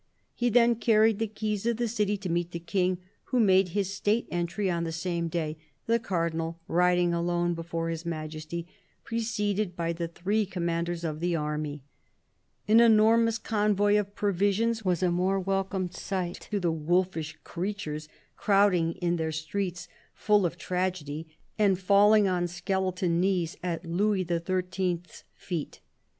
He then carried the keys of the city to meet the King, who made his state entry on the same day, the Cardinal riding alone before His Majesty, preceded by the three commanders of the army. An enormous convoy of provisions was a more welcome sight to the wolfish creatures crowding in their streets full of tragedy and falling on skeleton knees at Louis XHI.'s feet.